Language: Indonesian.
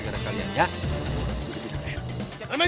tidak ada apa apa